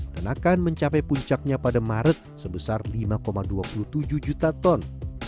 dan akan mencapai puncaknya pada maret sebesar lima dua puluh tujuh juta ton